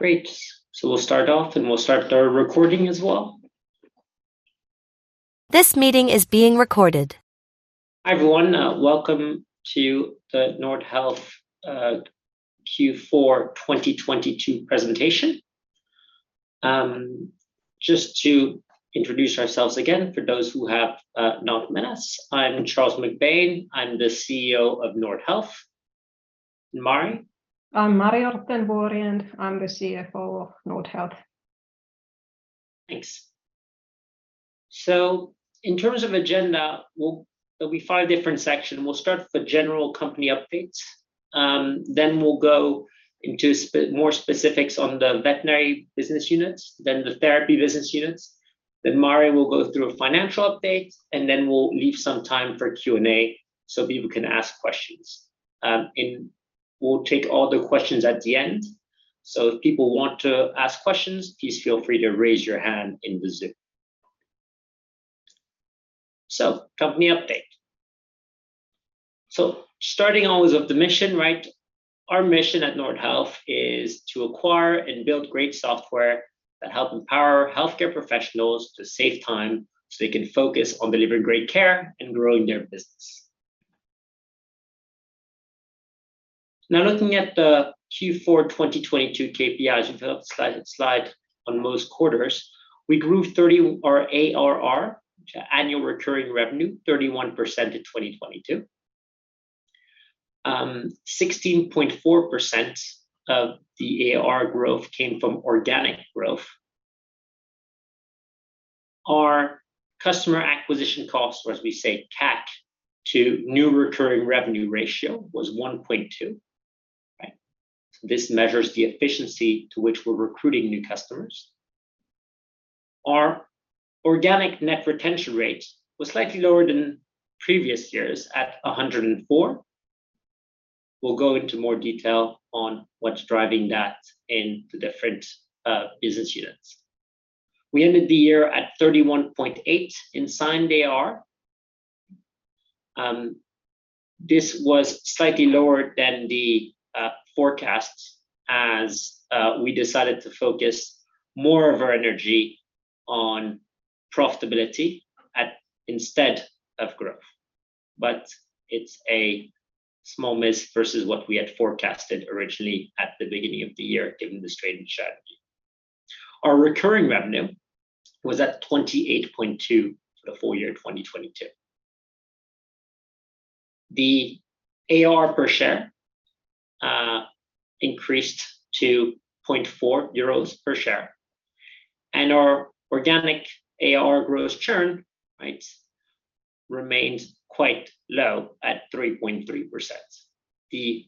Great. We'll start off, and we'll start our recording as well. This meeting is being recorded. Hi, everyone. Welcome to the Nordhealth, Q4 2022 presentation. Just to introduce ourselves again for those who have not met us. I'm Charles MacBain, I'm the CEO of Nordhealth. Mari? I'm Mari Orttenvuori, and I'm the CFO of Nordhealth. Thanks. In terms of agenda, there'll be five different sections. We'll start with the general company updates. Then we'll go into more specifics on the veterinary business units, the therapy business units. Mari will go through a financial update, and then we'll leave some time for Q&A so people can ask questions. We'll take all the questions at the end. If people want to ask questions, please feel free to raise your hand in the Zoom. Company update. Starting always with the mission, right? Our mission at Nordhealth is to acquire and build great software that help empower healthcare professionals to save time so they can focus on delivering great care and growing their business. Now looking at the Q4 2022 KPIs, if you look at the slide on most quarters, we grew 30 our ARR, which annual recurring revenue, 31% in 2022. 16.4% of the ARR growth came from organic growth. Our customer acquisition cost, or as we say, CAC, to new recurring revenue ratio was 1.2. Right? This measures the efficiency to which we're recruiting new customers. Our organic Net Retention Rate was slightly lower than previous years at 104. We'll go into more detail on what's driving that in the different business units. We ended the year at 31.8 in signed ARR. This was slightly lower than the forecast as we decided to focus more of our energy on profitability at instead of growth. It's a small miss versus what we had forecasted originally at the beginning of the year, given the strategy. Our recurring revenue was at 28.2 for the full year 2022. The ARR per share increased to 0.4 euros per share. Our organic ARR gross churn, right. Remained quite low at 3.3%.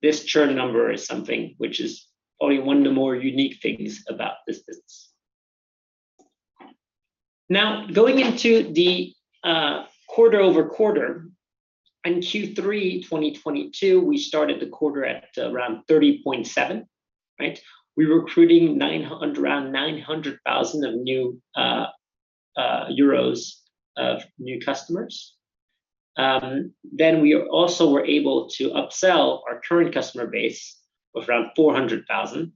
This churn number is something which is probably one of the more unique things about this business. Going into the quarter-over-quarter. In Q3 of 2022, we started the quarter at around 30.7, right. We were recruiting around 900,000 of new customers. We also were able to upsell our current customer base of around 400,000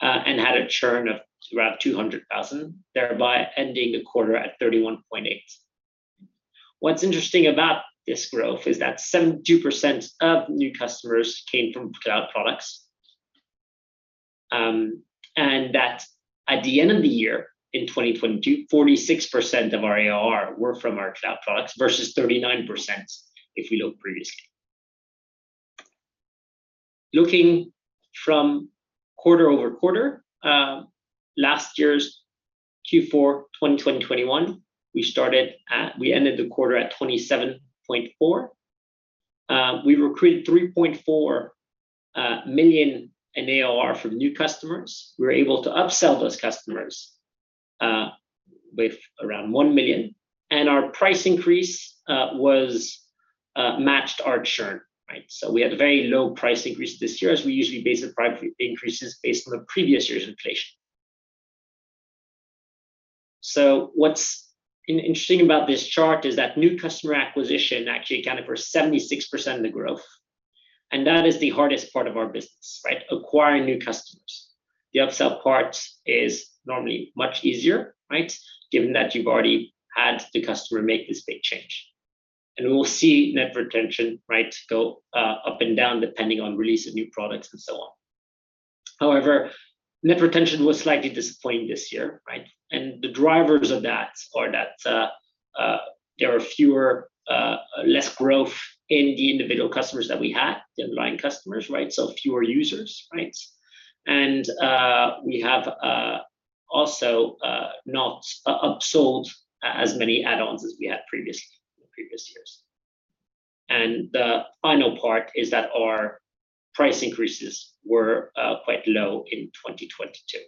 and had a churn of around 200,000, thereby ending the quarter at 31.8 million. What's interesting about this growth is that 72% of new customers came from cloud products. At the end of the year in 2022, 46% of our ARR were from our cloud products versus 39% if we look previously. Looking from quarter-over-quarter, last year's Q4 2021, we ended the quarter at 27.4 million. We recruited 3.4 million in ARR from new customers. We were able to upsell those customers with around 1 million. Our price increase matched our churn, right? We had a very low price increase this year, as we usually base the price increases based on the previous year's inflation. What's interesting about this chart is that new customer acquisition actually accounted for 76% of the growth, and that is the hardest part of our business, right? Acquiring new customers. The upsell part is normally much easier, right? Given that you've already had the customer make this big change. We will see net retention, right, go up and down depending on release of new products and so on. Net retention was slightly disappointing this year, right? The drivers of that are that there are fewer, less growth in the individual customers that we had, the underlying customers, right? Fewer users, right? We have also not upsold as many add-ons as we had previously in the previous years. The final part is that our price increases were quite low in 2022.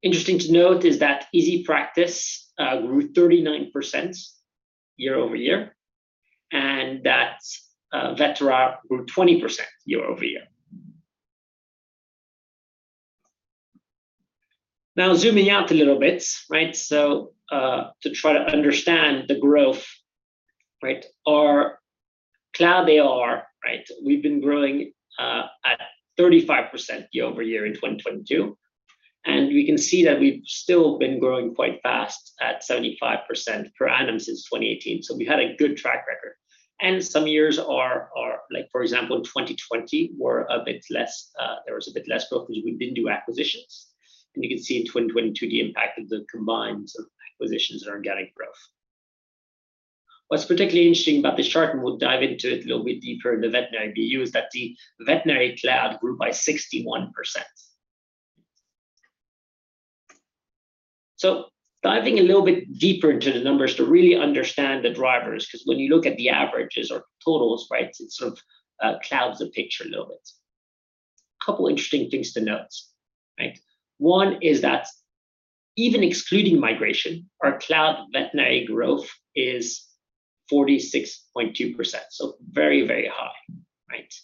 Interesting to note is that EasyPractice grew 39% year-over-year, and that Vetera grew 20% year-over-year. Now zooming out a little bit, right? To try to understand the growth, right? Our cloud ARR, right, we've been growing at 35% year-over-year in 2022. We can see that we've still been growing quite fast at 75% per annum since 2018. We had a good track record. Some years are like for example, 2020 were a bit less, there was a bit less growth because we didn't do acquisitions. You can see in 2022 the impact of the combined acquisitions and organic growth. What's particularly interesting about this chart, and we'll dive into it a little bit deeper in the veterinary BU, is that the veterinary cloud grew by 61%. Diving a little bit deeper into the numbers to really understand the drivers, 'cause when you look at the averages or totals, right, it sort of clouds the picture a little bit. Couple interesting things to note, right? One is that even excluding migration, our cloud veterinary growth is 46.2%. Very, very high, right?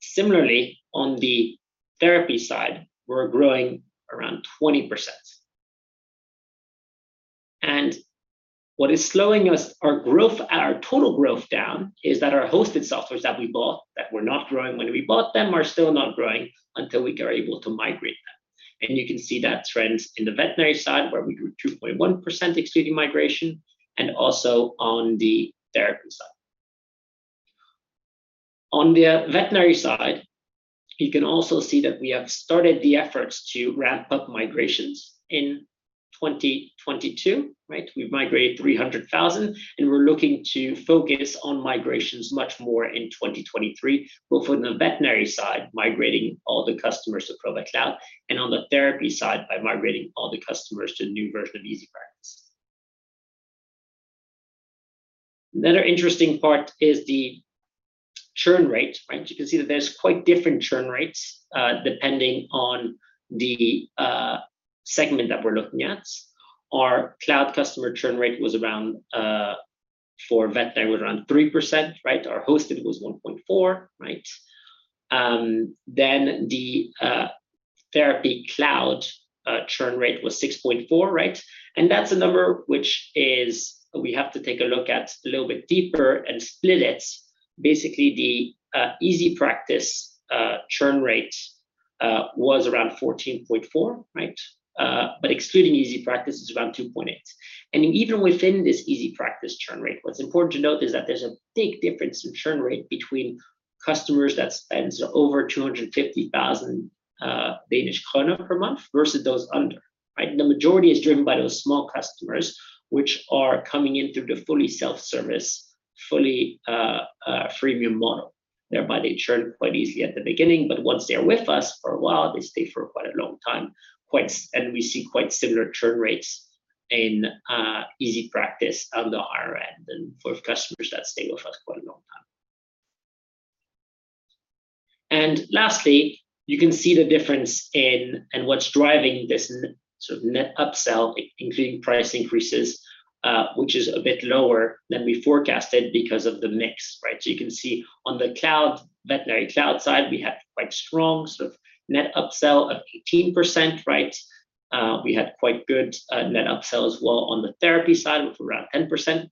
Similarly, on the therapy side, we're growing around 20%. What is slowing our growth, our total growth down, is that our hosted softwares that we bought that were not growing when we bought them, are still not growing until we are able to migrate them. You can see that trend in the veterinary side where we grew 2.1% excluding migration, and also on the therapy side. On the veterinary side, you can also see that we have started the efforts to ramp up migrations in 2022, right? We've migrated 300,000, and we're looking to focus on migrations much more in 2023, both on the veterinary side, migrating all the customers to Provet Cloud, and on the therapy side by migrating all the customers to a new version of EasyPractice. Another interesting part is the churn rate, right? You can see that there's quite different churn rates, depending on the segment that we're looking at. Our cloud customer churn rate was around for veterinary was around 3%, right? Our hosted was 1.4%, right? The therapy cloud churn rate was 6.4%, right? That's a number which is we have to take a look at a little bit deeper and split it. Basically, the EasyPractice churn rate was around 14.4%, right? Excluding EasyPractice is around 2.8%. Even within this EasyPractice churn rate, what's important to note is that there's a big difference in churn rate between customers that spends over 250,000 Danish krone per month versus those under, right? The majority is driven by those small customers which are coming in through the fully self-service, fully freemium model. Thereby they churn quite easy at the beginning, but once they are with us for a while, they stay for quite a long time. We see quite similar churn rates in EasyPractice on the higher end and for customers that stay with us quite a long time. Lastly, you can see the difference in and what's driving this sort of net upsell, including price increases, which is a bit lower than we forecasted because of the mix, right? You can see on the cloud, veterinary cloud side, we had quite strong sort of net upsell of 18%, right? We had quite good net upsell as well on the therapy side with around 10%.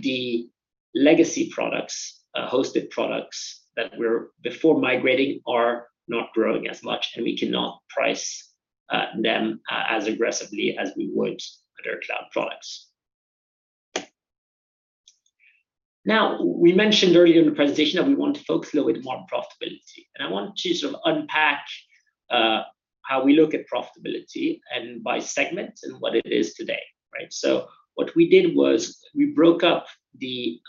The legacy products, hosted products that were before migrating are not growing as much, and we cannot price them as aggressively as we would other cloud products. We mentioned earlier in the presentation that we want to focus a little bit more on profitability, and I want to sort of unpack how we look at profitability and by segment and what it is today, right? What we did was we broke up the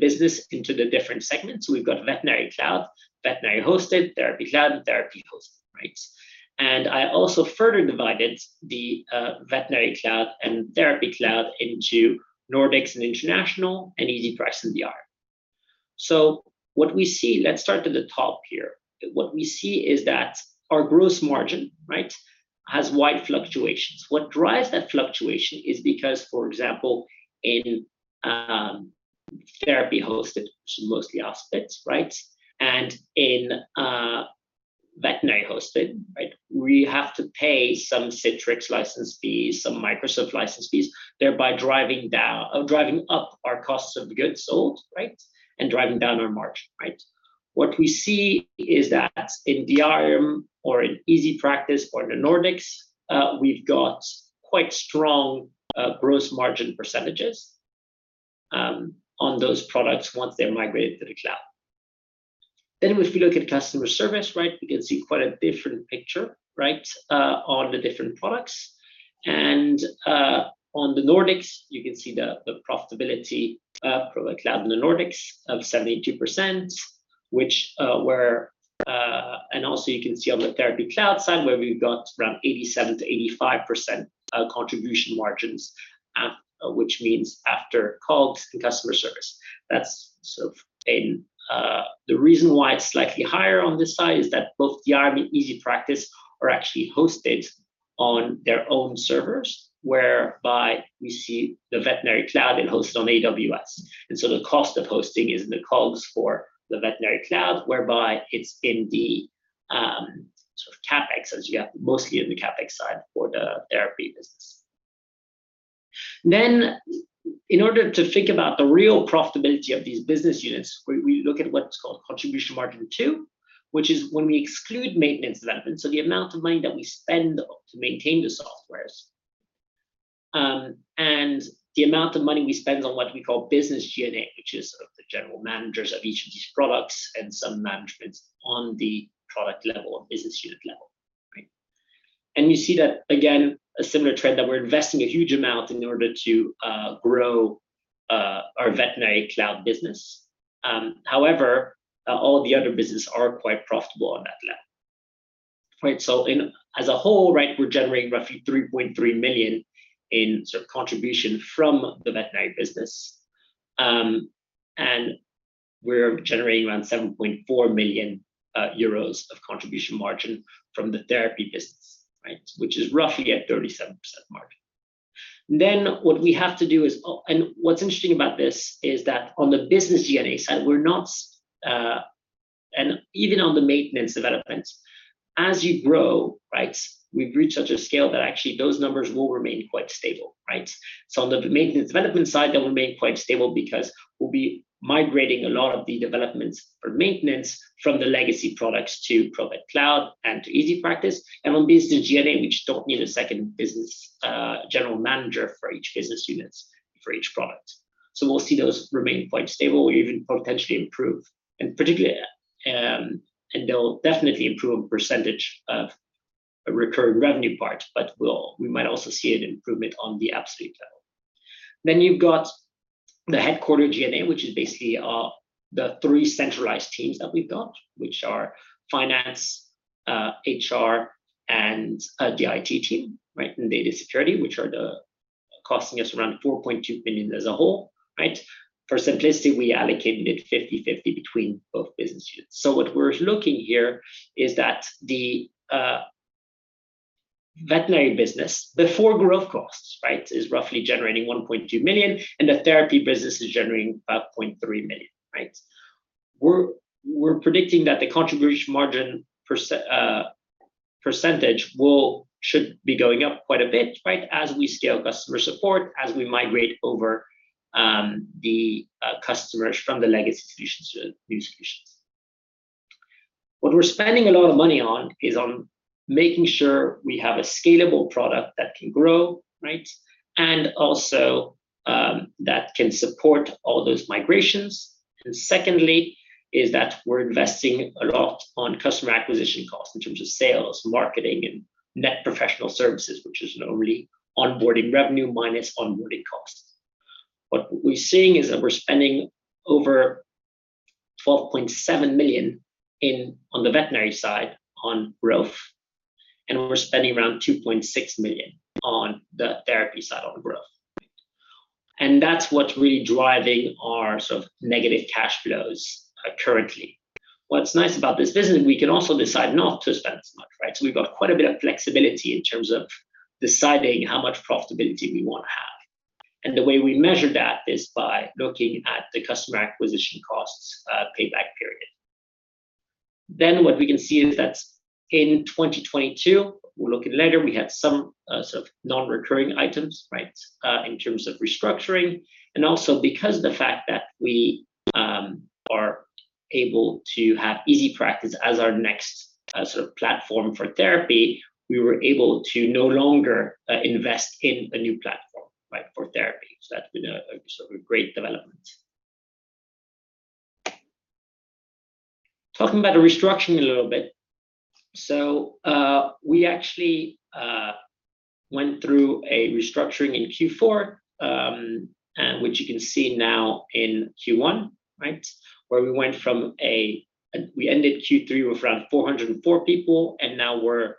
business into the different segments. We've got veterinary cloud, veterinary hosted, therapy cloud, and therapy hosted, right? I also further divided the veterinary cloud and therapy cloud into Nordics and international, and EasyPractice and Diarium. What we see, let's start at the top here. What we see is that our gross margin, right, has wide fluctuations. What drives that fluctuation is because, for example, in, therapy hosted, which is mostly Aspit, right? In, veterinary hosted, right, we have to pay some Citrix license fees, some Microsoft license fees, thereby driving down or driving up our costs of goods sold, right? Driving down our margin, right? What we see is that in Diarium or in EasyPractice or in the Nordics, we've got quite strong, gross margin %, on those products once they're migrated to the cloud. If we look at customer service, right, we can see quite a different picture, right, on the different products. On the Nordics, you can see the profitability, Provet Cloud in the Nordics of 72%, which were, and also you can see on the therapy cloud side where we've got around 87%-85% contribution margins, which means after calls and customer service. That's sort of the reason why it's slightly higher on this side is that both DR and EasyPractice are actually hosted on their own servers, whereby we see the veterinary cloud being hosted on AWS. The cost of hosting is in the COGS for the veterinary cloud, whereby it's in the sort of CapEx as you have mostly in the CapEx side for the therapy business. In order to think about the real profitability of these business units, we look at what's called Contribution Margin 2, which is when we exclude maintenance development. So the amount of money that we spend to maintain the softwares, and the amount of money we spend on what we call business G&A, which is of the general managers of each of these products and some managements on the product level or business unit level. Right? You see that again, a similar trend that we're investing a huge amount in order to grow our veterinary cloud business. However, all the other business are quite profitable on that level. Right. As a whole, right, we're generating roughly 3.3 million in sort of contribution from the veterinary business. We're generating around 7.4 million euros of contribution margin from the therapy business, right? Which is roughly at 37% margin. What we have to do is what's interesting about this is that on the business G&A side, we're not, and even on the maintenance development, as you grow, right, we've reached such a scale that actually those numbers will remain quite stable, right? On the maintenance development side, they will remain quite stable because we'll be migrating a lot of the developments for maintenance from the legacy products to Provet Cloud and to EasyPractice. On business G&A, we just don't need a second business, general manager for each business units for each product. We'll see those remain quite stable or even potentially improve. Particularly, and they'll definitely improve a % of the recurring revenue part, but we might also see an improvement on the absolute level. You've got the headquarter G&A, which is basically the three centralized teams that we've got, which are finance, HR, and the IT team, right? Data security, which are costing us around 4.2 million as a whole, right? For simplicity, we allocated it 50/50 between both BUs. What we're looking here is that the veterinary business, the four growth costs, right, is roughly generating 1.2 million, and the therapy business is generating about 0.3 million, right? We're predicting that the contribution margin percentage should be going up quite a bit, right, as we scale customer support, as we migrate over the customers from the legacy solutions to new solutions. What we're spending a lot of money on is on making sure we have a scalable product that can grow, right? Also, that can support all those migrations. Secondly is that we're investing a lot on customer acquisition costs in terms of sales, marketing, and net professional services, which is normally onboarding revenue minus onboarding costs. What we're seeing is that we're spending over 12.7 million on the veterinary side on growth, and we're spending around 2.6 million on the therapy side on growth. That's what's really driving our sort of negative cash flows currently. What's nice about this business, we can also decide not to spend as much, right? We've got quite a bit of flexibility in terms of deciding how much profitability we wanna have. The way we measure that is by looking at the customer acquisition costs payback period. What we can see is that in 2022, we're looking later, we have some sort of non-recurring items, right, in terms of restructuring. Because of the fact that we are able to have EasyPractice as our next sort of platform for therapy, we were able to no longer invest in a new platform, right, for therapy. That's been a sort of great development. Talking about the restructuring a little bit. We actually went through a restructuring in Q4, which you can see now in Q1, right? We ended Q3 with around 404 people, and now we're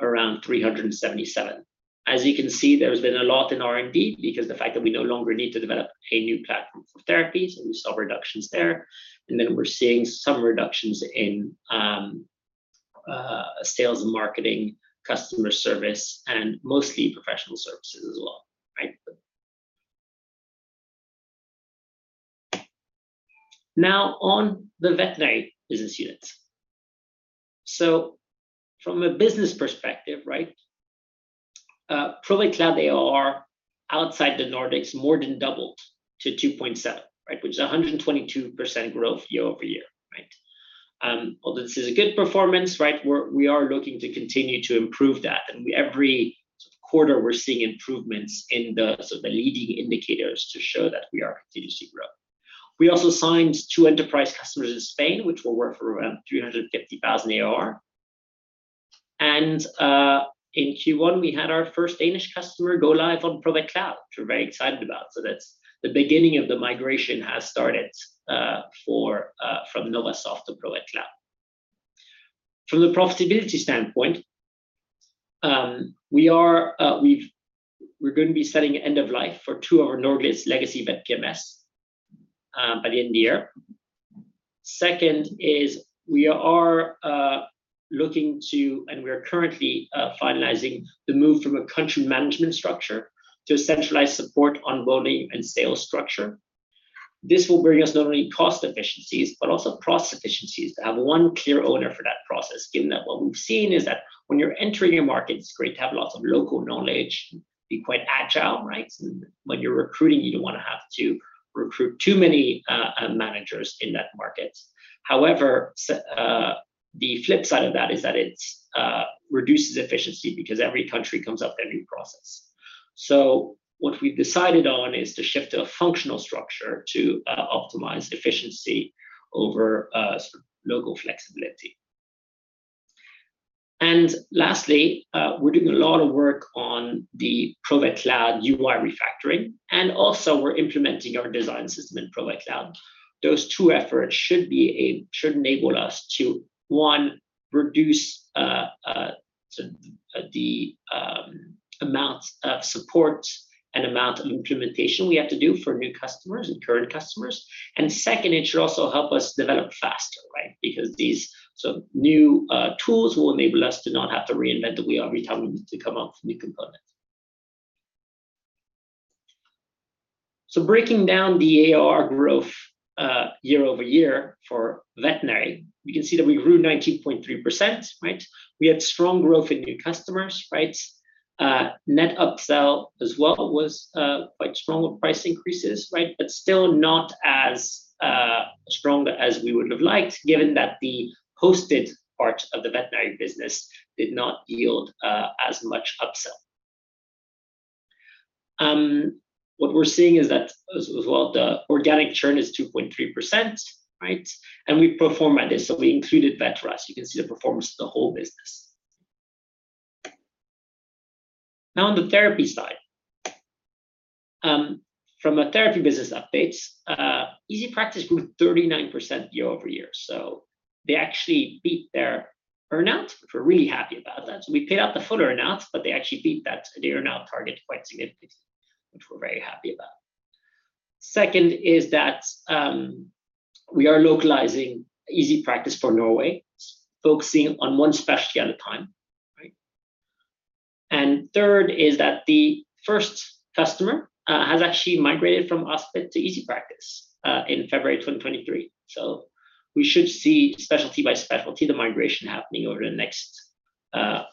around 377. As you can see, there's been a lot in R&D because the fact that we no longer need to develop a new platform for therapies, and we saw reductions there. We're seeing some reductions in sales and marketing, customer service, and mostly professional services as well, right? Now on the veterinary business unit. From a business perspective, right, Provet Cloud ARR outside the Nordics more than doubled to 2.7, right, which is 122% growth year-over-year, right? Although this is a good performance, right, we are looking to continue to improve that. We every sort of quarter, we're seeing improvements in the sort of the leading indicators to show that we are continuously growing. We also signed two enterprise customers in Spain, which will work for around 350,000 ARR. In Q1, we had our first Danish customer go live on Provet Cloud, which we're very excited about. That's the beginning of the migration has started for from Novasoft to Provet Cloud. From the profitability standpoint, we are going to be setting end of life for two of our Nordics legacy vet PMS by the end of the year. Second is we are looking to, and we are currently finalizing the move from a country management structure to a centralized support onboarding and sales structure. This will bring us not only cost efficiencies, but also cross efficiencies to have one clear owner for that process, given that what we've seen is that when you're entering a market, it's great to have lots of local knowledge and be quite agile, right? When you're recruiting, you don't wanna have to recruit too many managers in that market. However, the flip side of that is that it reduces efficiency because every country comes up with their new process. What we've decided on is to shift to a functional structure to optimize efficiency over sort of local flexibility. Lastly, we're doing a lot of work on the Provet Cloud UI refactoring, and also we're implementing our design system in Provet Cloud. Those two efforts should enable us to, one, reduce the amount of support and amount of implementation we have to do for new customers and current customers. Second, it should also help us develop faster, right? Because these sort of new tools will enable us to not have to reinvent the wheel every time we need to come up with new components. Breaking down the ARR growth year over year for veterinary, we can see that we grew 19.3%, right? We had strong growth in new customers, right? Net upsell as well was quite strong with price increases, right. Still not as strong as we would have liked, given that the hosted part of the veterinary business did not yield as much upsell. What we're seeing is that as well, the organic churn is 2.3%, right. We perform at this, so we included Vetera. You can see the performance of the whole business. On the therapy side. From a therapy business updates, EasyPractice grew 39% year-over-year. They actually beat their earn-out, which we're really happy about that. We paid out the full earn-out, but they actually beat that earn-out target quite significantly, which we're very happy about. Second is that we are localizing EasyPractice for Norway, focusing on one specialty at a time, right. Third is that the first customer has actually migrated from Aspit to EasyPractice in February 2023. We should see specialty by specialty, the migration happening over the next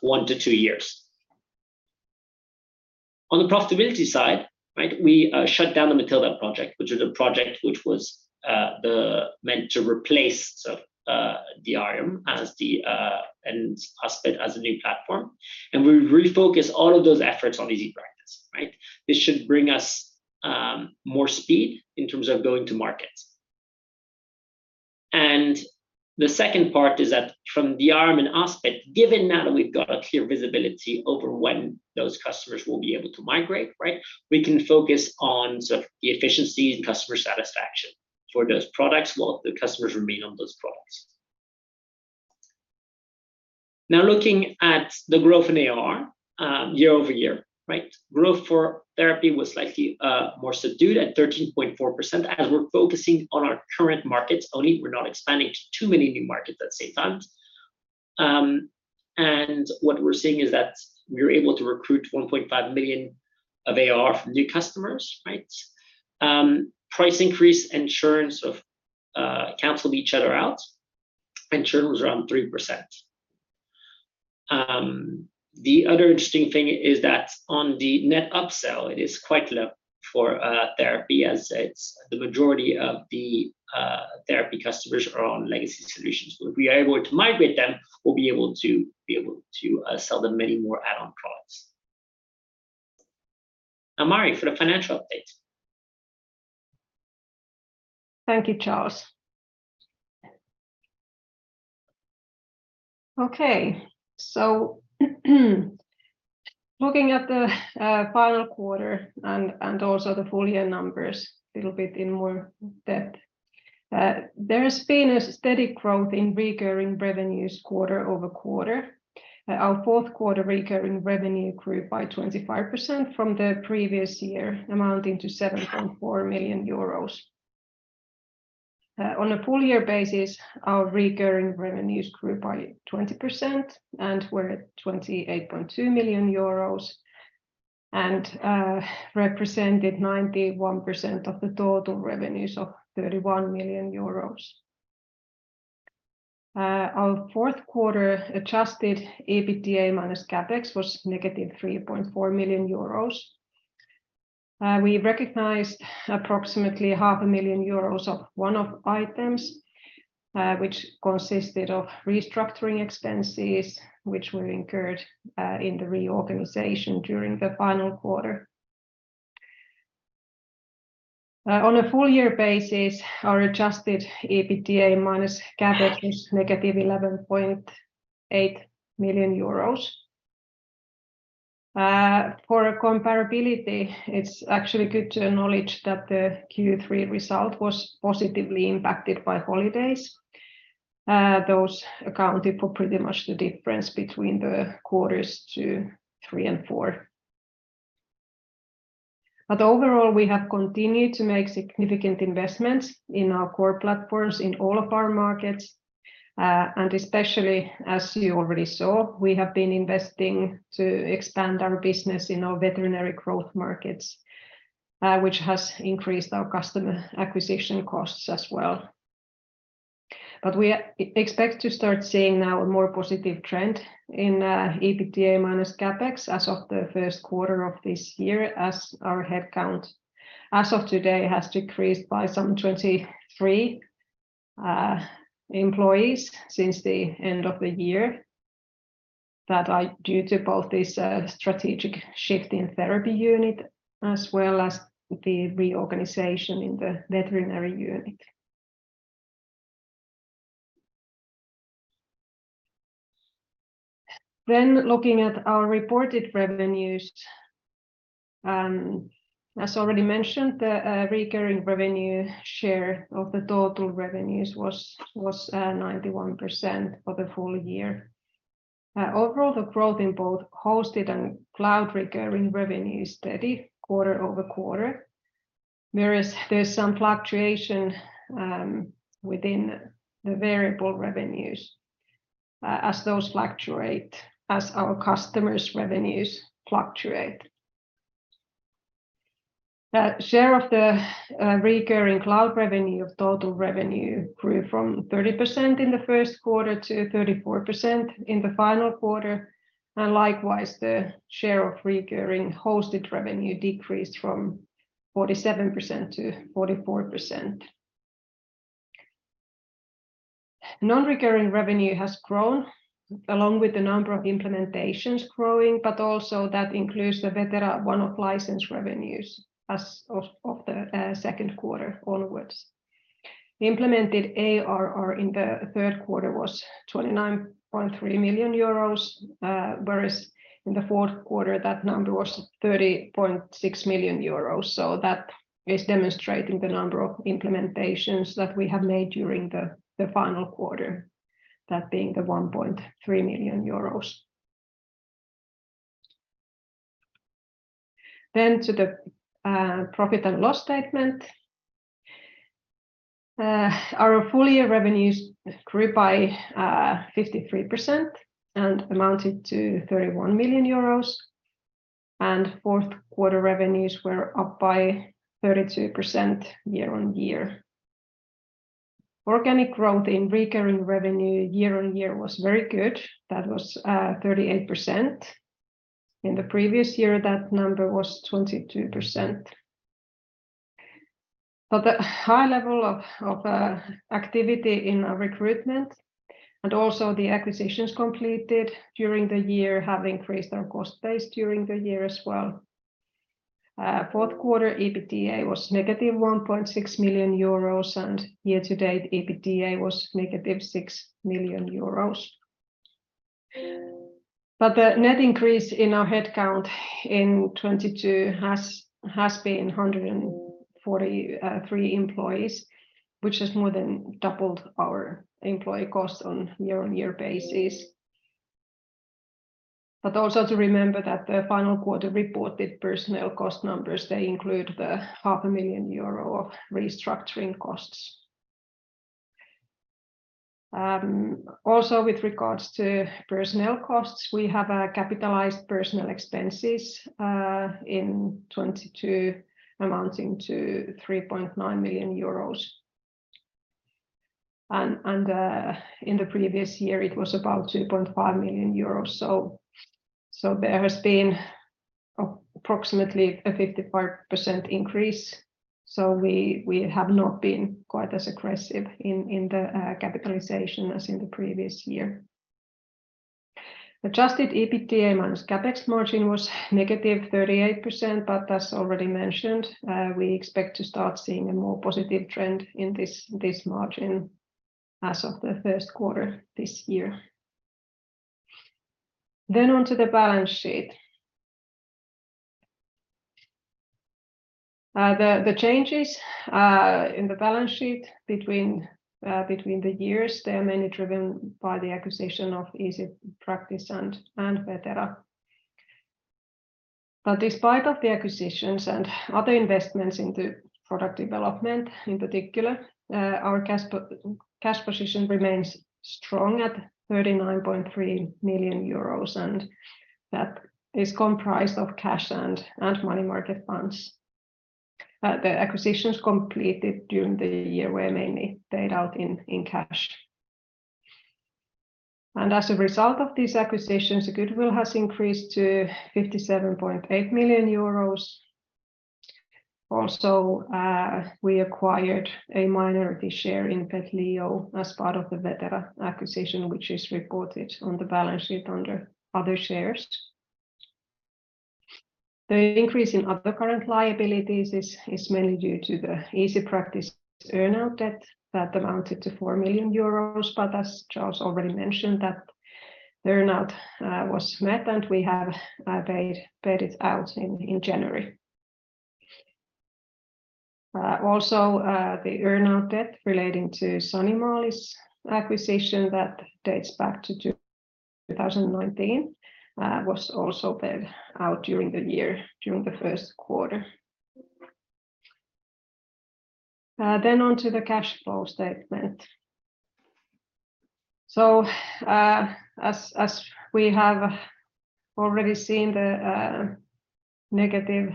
one to two years. On the profitability side, right, we shut down the Matilda project, which was a project which was meant to replace sort of Diarium as the and Aspit as a new platform. We refocused all of those efforts on EasyPractice, right? This should bring us more speed in terms of going to market. The second part is that from Diarium and Aspit, given now that we've got a clear visibility over when those customers will be able to migrate, right? We can focus on sort of the efficiency and customer satisfaction for those products while the customers remain on those products. Now looking at the growth in ARR, year-over-year, right? Growth for therapy was slightly more subdued at 13.4%, as we're focusing on our current markets only. We're not expanding to too many new markets at the same time. What we're seeing is that we were able to recruit 1.5 million of ARR from new customers, right? Price increase and churn sort of canceled each other out, and churn was around 3%. The other interesting thing is that on the net upsell, it is quite low for therapy as it's the majority of the therapy customers are on legacy solutions. When we are able to migrate them, we'll be able to sell them many more add-on products. Now Mari, for the financial update. Thank you, Charles. Okay. Looking at the final quarter and also the full year numbers little bit in more depth. There's been a steady growth in recurring revenues quarter-over-quarter. Our fourth quarter recurring revenue grew by 25% from the previous year, amounting to 7.4 million euros. On a full year basis, our recurring revenues grew by 20% and were at 28.2 million euros, and represented 91% of the total revenues of 31 million euros. Our fourth quarter adjusted EBITDA minus CapEx was negative 3.4 million euros. We recognized approximately half a million euros of one-off items, which consisted of restructuring expenses, which were incurred in the reorganization during the final quarter. On a full year basis, our adjusted EBITDA minus CapEx is negative 11.8 million euros. For comparability, it's actually good to acknowledge that the Q3 result was positively impacted by holidays. Those accounted for pretty much the difference between the quarters two, three, and four. Overall, we have continued to make significant investments in our core platforms in all of our markets. Especially as you already saw, we have been investing to expand our business in our veterinary growth markets, which has increased our customer acquisition costs as well. We expect to start seeing now a more positive trend in EBITDA minus CapEx as of the first quarter of this year as our headcount as of today has decreased by some 23 employees since the end of the year that are due to both this strategic shift in therapy unit as well as the reorganization in the veterinary unit. Looking at our reported revenues. As already mentioned, the recurring revenue share of the total revenues was 91% for the full year. Overall, the growth in both hosted and cloud recurring revenue is steady quarter-over-quarter, whereas there's some fluctuation within the variable revenues as those fluctuate as our customers' revenues fluctuate. Share of the recurring cloud revenue of total revenue grew from 30% in the first quarter to 34% in the final quarter, and likewise, the share of recurring hosted revenue decreased from 47%-44%. Non-recurring revenue has grown along with the number of implementations growing, but also that includes the Vetera one-off license revenues as of the second quarter onwards. Implemented ARR in the third quarter was 29.3 million euros, whereas in the fourth quarter, that number was 30.6 million euros. That is demonstrating the number of implementations that we have made during the final quarter, that being 1.3 million euros. To the profit and loss statement. Our full-year revenues grew by 53% and amounted to 31 million euros, and fourth quarter revenues were up by 32% year-on-year. Organic growth in recurring revenue year-on-year was very good. That was 38%. In the previous year, that number was 22%. The high level of activity in our recruitment and also the acquisitions completed during the year have increased our cost base during the year as well. Fourth quarter EBITDA was negative 1.6 million euros, and year-to-date EBITDA was negative 6 million euros. The net increase in our headcount in 2022 has been 143 employees, which has more than doubled our employee cost on year-on-year basis. Also to remember that the final quarter reported personnel cost numbers, they include the half a million EUR of restructuring costs. Also with regards to personnel costs, we have capitalized personnel expenses in 2022 amounting to 3.9 million euros. In the previous year, it was about 2.5 million euros. There has been approximately a 55% increase, so we have not been quite as aggressive in the capitalization as in the previous year. Adjusted EBITDA minus CapEx margin was negative 38%, as already mentioned, we expect to start seeing a more positive trend in this margin as of the first quarter this year. On to the balance sheet. The changes in the balance sheet between the years, they are mainly driven by the acquisition of EasyPractice and Vetera. Despite of the acquisitions and other investments into product development in particular, our cash position remains strong at 39.3 million euros, and that is comprised of cash and money market funds. The acquisitions completed during the year were mainly paid out in cash. As a result of these acquisitions, the goodwill has increased to 57.8 million euros. Also, we acquired a minority share in Petleo as part of the Vetera acquisition, which is reported on the balance sheet under other shares. The increase in other current liabilities is mainly due to the EasyPractice earnout that amounted to 4 million euros. As Charles already mentioned, that earnout was met, and we have paid it out in January. Also, the earn-out debt relating to Sanimalis acquisition that dates back to 2019 was also paid out during the year, during the first quarter. On to the cash flow statement. As we have already seen the negative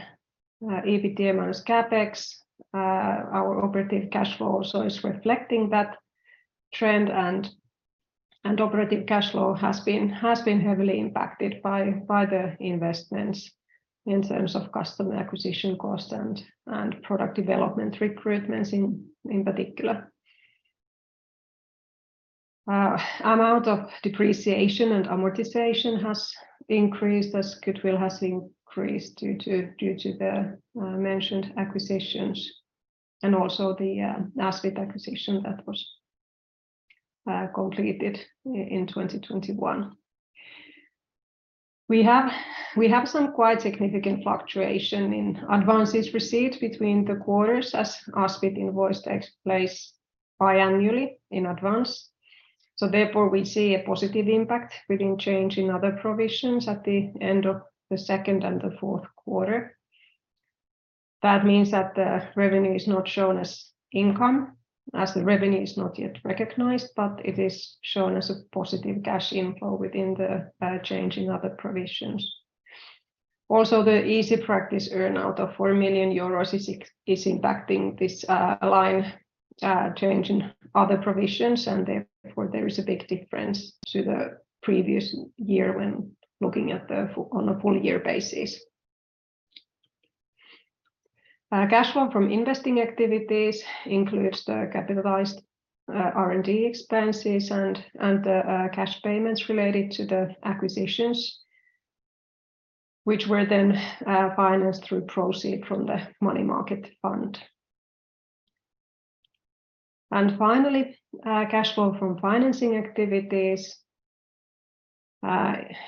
EBITDA minus CapEx, our operative cash flow also is reflecting that trend. Operative cash flow has been heavily impacted by the investments in terms of customer acquisition cost and product development recruitments in particular. Amount of depreciation and amortization has increased as goodwill has increased due to the mentioned acquisitions and also the Aspit acquisition that was completed in 2021. We have some quite significant fluctuation in advances received between the quarters as Aspit invoice takes place biannually in advance. Therefore, we see a positive impact within change in other provisions at the end of the second and the fourth quarter. That means that the revenue is not shown as income, as the revenue is not yet recognized, but it is shown as a positive cash inflow within the change in other provisions. Also, the EasyPractice earn-out of 4 million euros is impacting this line, change in other provisions. Therefore, there is a big difference to the previous year when looking on a full year basis. Cash flow from investing activities includes the capitalized R&D expenses and the cash payments related to the acquisitions, which were then financed through proceed from the money market fund. Finally, cash flow from financing activities.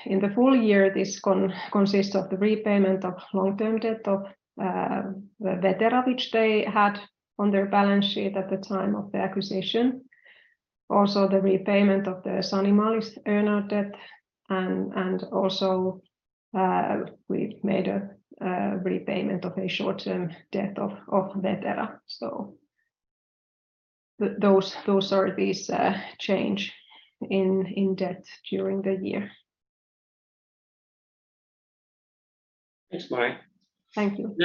In the full year, this consists of the repayment of long-term debt of the Vetera, which they had on their balance sheet at the time of the acquisition. Also, the repayment of the Sanimalis earn-out debt, and also, we made a repayment of a short-term debt of Vetera. Those are these change in debt during the year. Thanks, Mari. Thank you.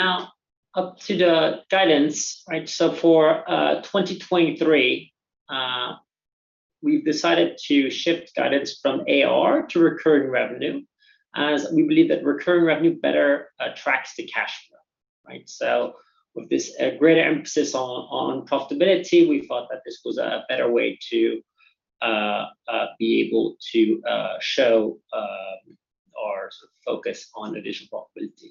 Up to the guidance, right? For 2023, we've decided to shift guidance from ARR to recurring revenue, as we believe that recurring revenue better tracks the cash flow, right? With this greater emphasis on profitability, we thought that this was a better way to be able to show our sort of focus on additional profitability.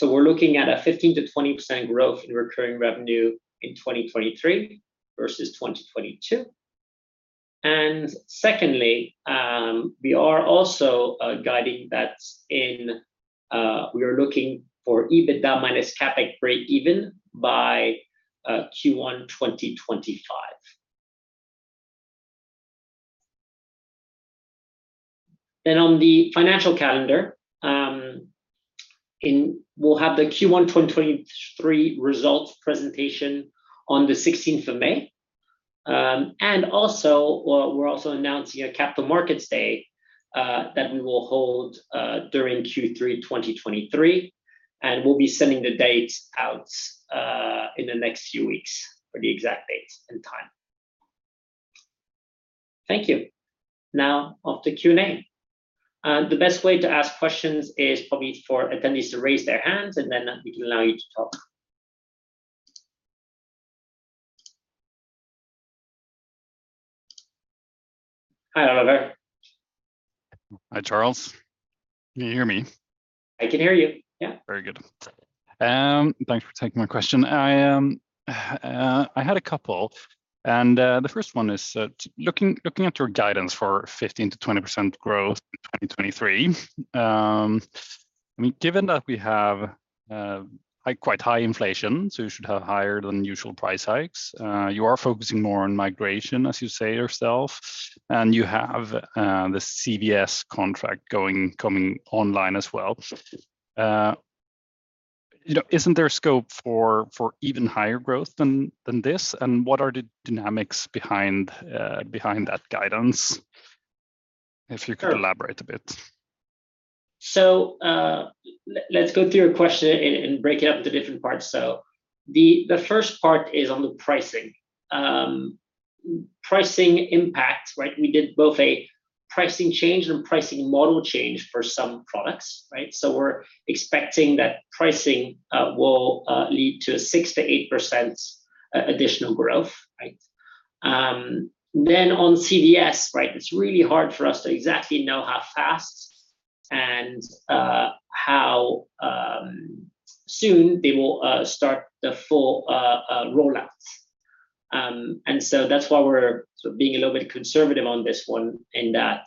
We're looking at a 15%-20% growth in recurring revenue in 2023 versus 2022. Secondly, we are also guiding that we are looking for EBITDA minus CapEx break even by Q1 2025. On the financial calendar, we'll have the Q1 2023 results presentation on the 16th of May. Also, well, we're also announcing a Capital Markets Day, that we will hold, during Q3 2023, and we'll be sending the date out in the next few weeks for the exact date and time. Thank you. Now off to Q&A. The best way to ask questions is probably for attendees to raise their hands, and then we can allow you to talk. Hi, Oliver. Hi, Charles. Can you hear me? I can hear you, yeah. Very good. Thanks for taking my question. I had a couple, and the first one is looking at your guidance for 15%-20% growth in 2023, I mean, given that we have quite high inflation, so you should have higher than usual price hikes, you are focusing more on migration, as you say yourself, and you have the CVS contract going, coming online as well. You know, isn't there scope for even higher growth than this? What are the dynamics behind that guidance? If you could elaborate a bit. Let's go through your question and break it up into different parts. The first part is on the pricing. Pricing impact, right? We did both a pricing change and pricing model change for some products, right? We're expecting that pricing will lead to 6%-8% additional growth, right? Then on CVS, right? It's really hard for us to exactly know how fast and how soon they will start the full rollout. That's why we're sort of being a little bit conservative on this one in that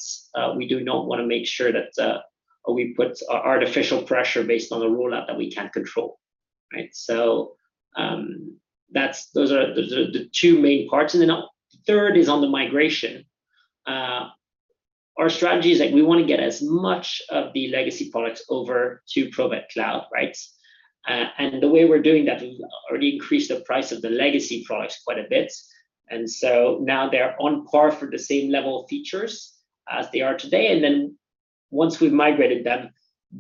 we do not wanna make sure that we put artificial pressure based on the rollout that we can't control, right? Those are the two main parts. Then a third is on the migration. Our strategy is like we wanna get as much of the legacy products over to Provet Cloud, right? The way we're doing that, we've already increased the price of the legacy products quite a bit, now they're on par for the same level of features as they are today. Once we've migrated them,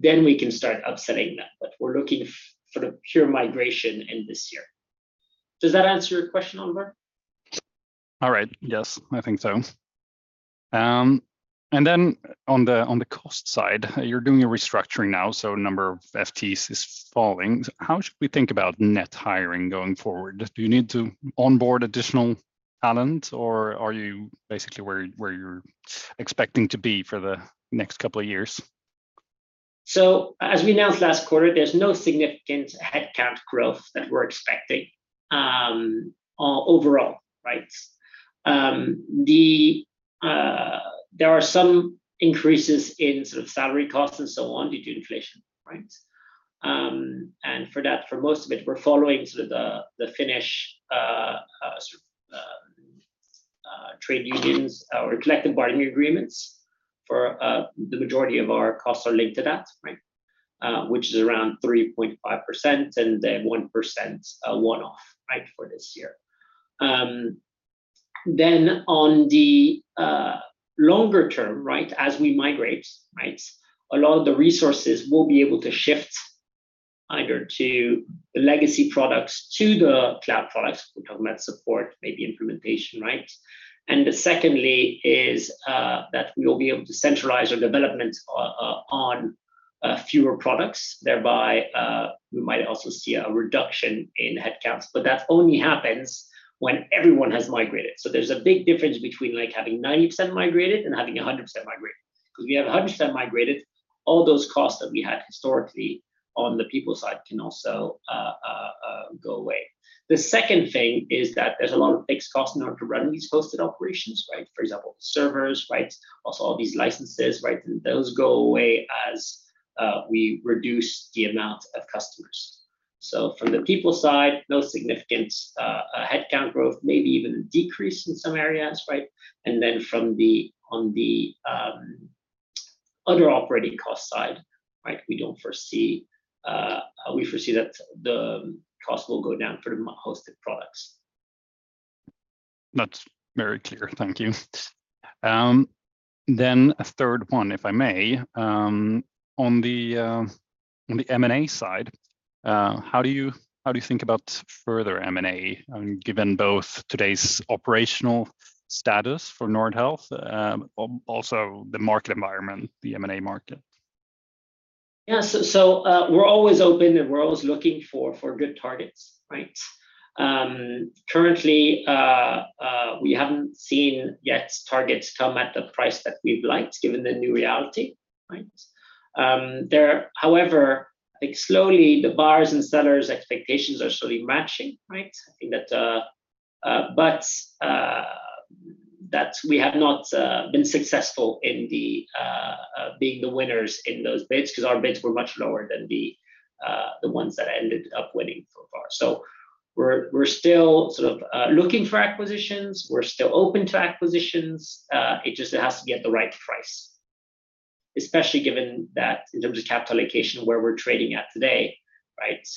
we can start upselling them. We're looking for the pure migration in this year. Does that answer your question, Oliver? All right. Yes, I think so. On the, on the cost side, you're doing a restructuring now, so number of FTEs is falling. How should we think about net hiring going forward? Do you need to onboard additional talent, or are you basically where you're expecting to be for the next couple of years? As we announced last quarter, there's no significant headcount growth that we're expecting overall, right? There are some increases in sort of salary costs and so on due to inflation, right? For that, for most of it, we're following sort of the Finnish trade unions or collective bargaining agreements for the majority of our costs are linked to that, right? Which is around 3.5% and then 1% one-off, right, for this year. On the longer term, right, as we migrate, right, a lot of the resources will be able to shift either to the legacy products to the cloud products, we're talking about support, maybe implementation, right? Secondly is that we'll be able to centralize our development on fewer products, thereby we might also see a reduction in headcounts. That only happens when everyone has migrated. There's a big difference between, like, having 90% migrated and having 100% migrated. 'Cause if you have 100% migrated, all those costs that we had historically on the people side can also, uh, go away. The second thing is that there's a lot of fixed costs in order to run these hosted operations, right? For example, servers, right? Also all these licenses, right? Those go away as we reduce the amount of customers. From the people side, no significant, uh, headcount growth, maybe even a decrease in some areas, right? On the other operating cost side, right, We foresee that the costs will go down for the hosted products. That's very clear. Thank you. A third one, if I may. On the M&A side, how do you think about further M&A, given both today's operational status for Nordhealth, also the market environment, the M&A market? Yeah. We're always open, and we're always looking for good targets, right? Currently, we haven't seen yet targets come at the price that we'd liked given the new reality, right? There however, like, slowly the buyers' and sellers' expectations are slowly matching, right? I think that we have not been successful in the being the winners in those bids 'cause our bids were much lower than the ones that ended up winning so far. We're still sort of looking for acquisitions. We're still open to acquisitions. It just has to be at the right price, especially given that in terms of capital allocation where we're trading at today, right?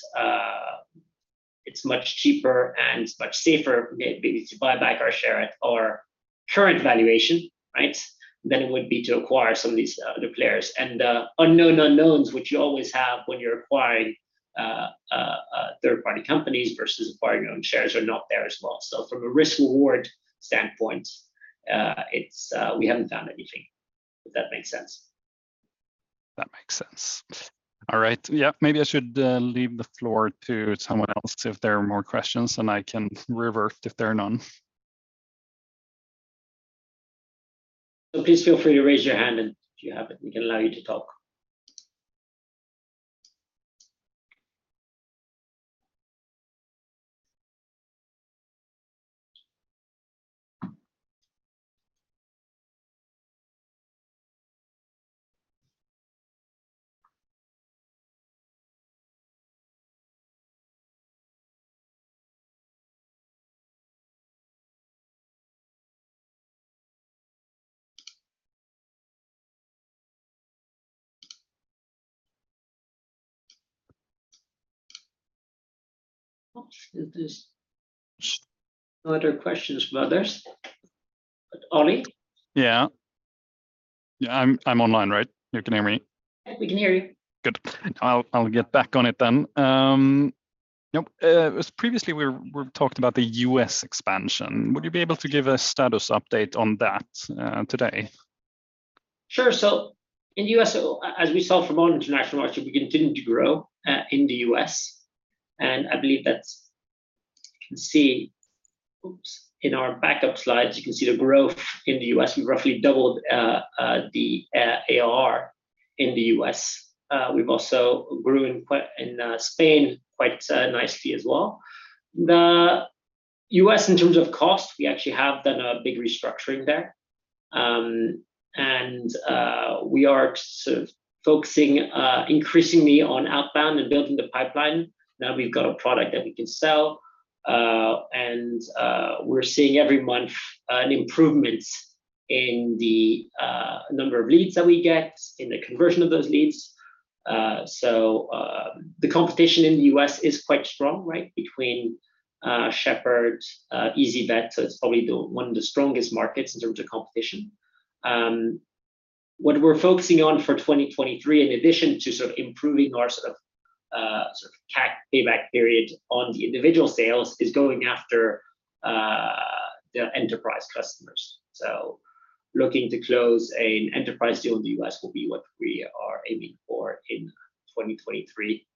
It's much cheaper and much safer maybe to buy back our share at our current valuation, right, than it would be to acquire some of these other players. Unknown unknowns, which you always have when you're acquiring a third-party companies versus acquiring your own shares are not there as well. From a risk/reward standpoint, it's, we haven't done anything, if that makes sense. That makes sense. All right. Yeah. Maybe I should leave the floor to someone else to see if there are more questions, and I can revert if there are none. Please feel free to raise your hand if you have it, and we can allow you to talk. If there's no other questions from others. Olli? Yeah. Yeah. I'm online, right? You can hear me? We can hear you. Good. I'll get back on it then. Yep, previously we talked about the U.S. expansion. Would you be able to give a status update on that today? Sure. In the U.S., as we saw from our international market, we continued to grow in the U.S., I believe that's. You can see. Oops. In our backup slides, you can see the growth in the U.S. We roughly doubled the ARR in the U.S. We've also grew in Spain quite nicely as well. The U.S., in terms of cost, we actually have done a big restructuring there. We are sort of focusing increasingly on outbound and building the pipeline now we've got a product that we can sell. We're seeing every month an improvement in the number of leads that we get, in the conversion of those leads. The competition in the U.S. is quite strong, right? Between Shepherd, ezyVet, it's probably the, one of the strongest markets in terms of competition. What we're focusing on for 2023, in addition to sort of improving our sort of CAC Payback Period on the individual sales, is going after the enterprise customers. Looking to close an enterprise deal in the U.S. will be what we are aiming for in 2023.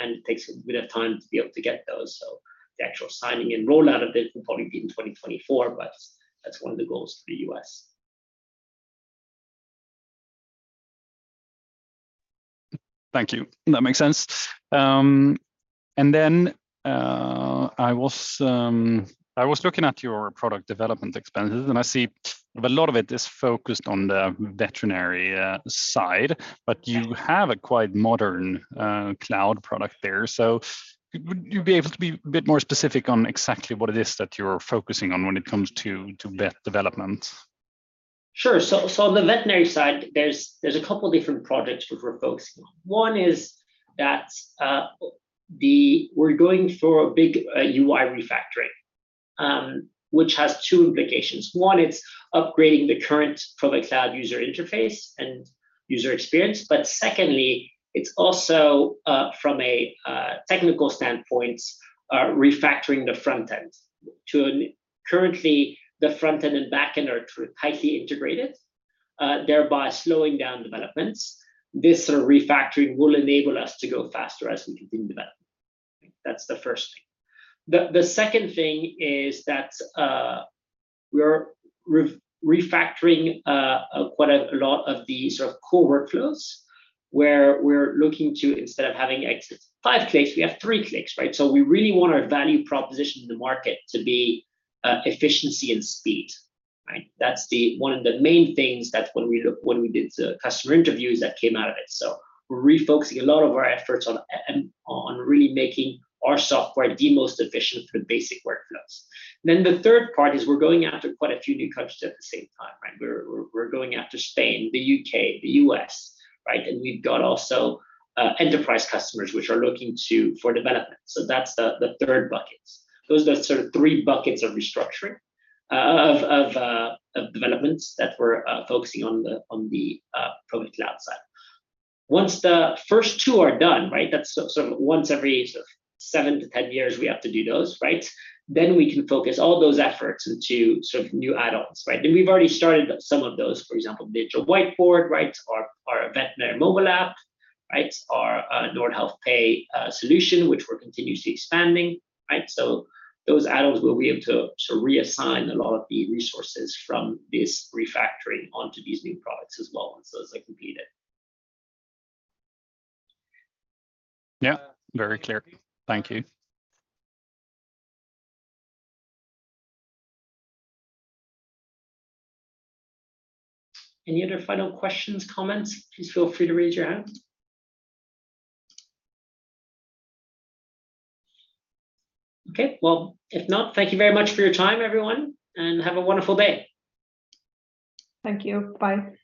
It takes a bit of time to be able to get those, so the actual signing and rollout of it will probably be in 2024, but that's one of the goals for the U.S. Thank you. That makes sense. I was looking at your product development expenses, and I see a lot of it is focused on the veterinary side, but you have a quite modern cloud product there. Would you be able to be a bit more specific on exactly what it is that you're focusing on when it comes to vet development? Sure. On the veterinary side, there's a couple different projects which we're focusing on. One is that we're going for a big UI refactoring, which has two implications. One, it's upgrading the current Provet Cloud user interface and user experience, but secondly, it's also from a technical standpoint, refactoring the front end to. Currently the front end and back end are tightly integrated, thereby slowing down developments. This sort of refactoring will enable us to go faster as we continue to develop. That's the first thing. The second thing is that we're refactoring quite a lot of the sort of core workflows, where we're looking to instead of having five clicks, we have three clicks, right? We really want our value proposition to the market to be efficiency and speed, right? That's one of the main things that when we did the customer interviews that came out of it. We're refocusing a lot of our efforts on really making our software the most efficient for the basic workflows. The third part is we're going after quite a few new countries at the same time, right? We're going after Spain, the U.K., the U.S., right? We've got also enterprise customers which are looking for development. That's the third bucket. Those are the sort of three buckets of restructuring of developments that we're focusing on the Provet Cloud side. Once the first two are done, right? That's so once every sort of seven to 10 years we have to do those, right? We can focus all those efforts into sort of new add-ons, right? We've already started some of those, for example, Digital Whiteboard, right? Our, our Vetera mobile app, right? Our Nordhealth Pay solution, which we're continuously expanding, right? Those add-ons, we'll be able to reassign a lot of the resources from this refactoring onto these new products as well, and so as they compete it. Very clear. Thank you. Any other final questions, comments, please feel free to raise your hand. Well, if not, thank you very much for your time, everyone, and have a wonderful day. Thank you. Bye.